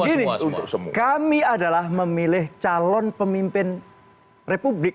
begini kami adalah memilih calon pemimpin republik